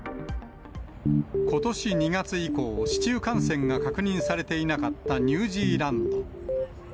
ことし２月以降、市中感染が確認されていなかったニュージーランド。